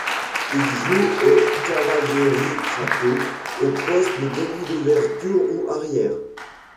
Il joue au Cavalieri Prato au poste de demi d'ouverture ou arrière.